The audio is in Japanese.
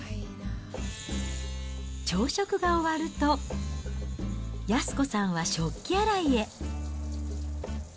朝食が終わると、安子さんは食器洗いへ。